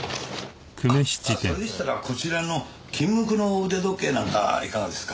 あっそれでしたらこちらの金無垢の腕時計なんかはいかがですか？